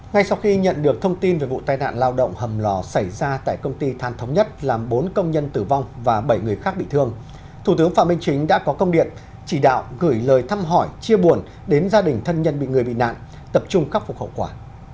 ngay sau khi nhận được thông tin về vụ tai nạn lao động hầm lò xảy ra tại công ty than thống nhất làm bốn công nhân tử vong và bảy người khác bị thương thủ tướng phạm minh chính đã có công điện chỉ đạo gửi lời thăm hỏi chia buồn đến gia đình thân nhân bị người bị nạn tập trung khắc phục khẩu quả